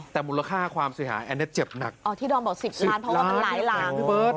แต่มูลค่าความเสียหายอันนี้เจ็บหนักอ๋อที่ดอมบอกสิบล้านเพราะว่ามันหลายหลังพี่เบิร์ต